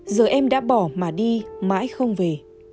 giờ em đã bỏ mà đi mãi không về